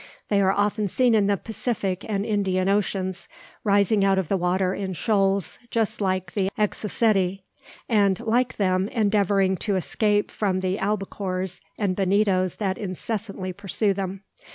They are often seen in the Pacific and Indian oceans, rising out of the water in shoals, just like the Exoceti: and, like them, endeavouring to escape from the albicores and bonitos that incessantly pursue them.